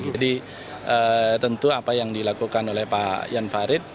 jadi tentu apa yang dilakukan oleh pak yan farid